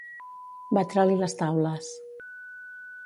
Batre-li les taules.